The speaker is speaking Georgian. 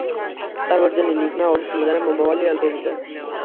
წარმოდგენილი იქნა ორი სიმღერა მომავალი ალბომიდან.